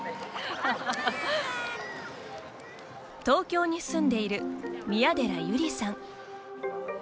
東京に住んでいる宮寺ゆりさん。